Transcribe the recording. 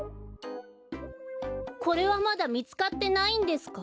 これはまだみつかってないんですか？